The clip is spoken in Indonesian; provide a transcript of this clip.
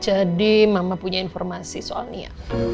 jadi mama punya informasi soal nia